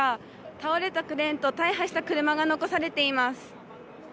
倒れたクレーンと大破した車が残されています。